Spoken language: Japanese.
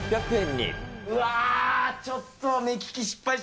うわー、ちょっと目利き失敗